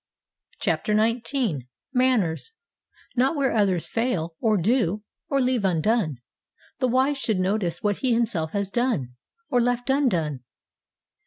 CHAPTER XIX MANNERS 'Not where others fail, or do, or leave undone the wise should notice what himself has done, or left undone.'